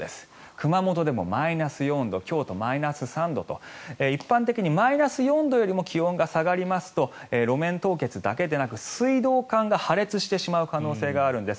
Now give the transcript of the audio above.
熊本でもマイナス４度京都マイナス３度一般的にマイナス４度よりも気温が下がりますと路面凍結だけでなく水道管が破裂してしまう可能性があるんです。